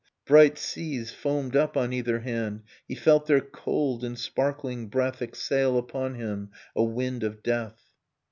Bright seas foamed up on either hand; He felt their cold and sparkling breath Exhale upon him a wind of death.